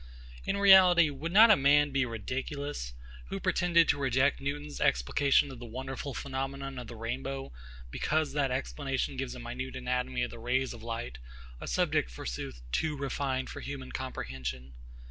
In reality, would not a man be ridiculous, who pretended to reject NEWTON's explication of the wonderful phenomenon of the rainbow, because that explication gives a minute anatomy of the rays of light; a subject, forsooth, too refined for human comprehension?